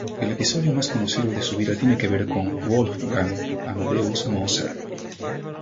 El episodio más conocido de su vida tiene que ver con Wolfgang Amadeus Mozart.